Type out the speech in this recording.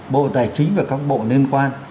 bộ tài chính và các bộ liên quan